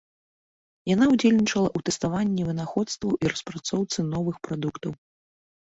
Яна ўдзельнічала ў тэставанні вынаходстваў і распрацоўцы новых прадуктаў.